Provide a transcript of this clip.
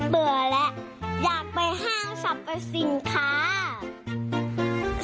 เบื่อแล้วอยากไปห้างสรรพสินค้า